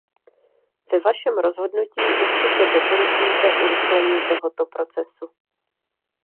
Ve vašem rozhodnutí určitě doporučíte urychlení tohoto procesu.